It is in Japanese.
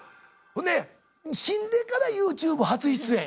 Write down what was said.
ほんで死んでからＹｏｕＴｕｂｅ初出演。